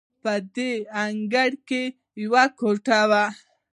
په دې انګړ کې یوه کوټه وه.